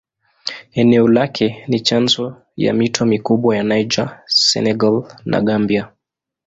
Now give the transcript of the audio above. Eneo lake ni chanzo ya mito mikubwa ya Niger, Senegal na Gambia.